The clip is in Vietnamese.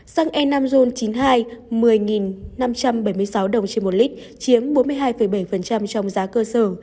xăng e năm zon chín mươi hai một mươi năm trăm bảy mươi sáu đồng trên một lít chiếm bốn mươi hai bảy trong giá cơ sở